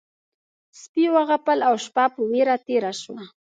سپي وغپل او شپه په وېره تېره شوه.